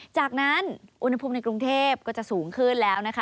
จากนั้นอุณหภูมิในกรุงเทพก็จะสูงขึ้นแล้วนะคะ